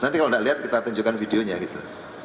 nanti kalau tidak lihat kita tunjukkan videonya gitu